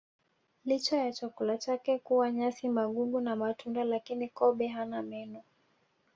Licha ya chakula chake kuwa nyasi magugu na matunda lakini kobe hana meno